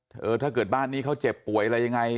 ถ้าเกิดบ้านนี้เขาเจ็บป่วยอะไรยังไง